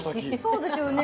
そうですよね。